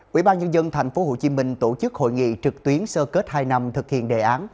quỹ ban nhân dân tp hcm tổ chức hội nghị trực tuyến sơ kết hai năm thực hiện đề án